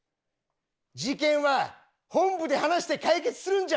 事件は本部で話して解決するんじゃない！